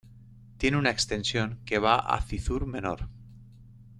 Tiene una extensión que va a Cizur Menor.